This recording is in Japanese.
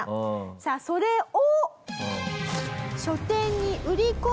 さあそれを。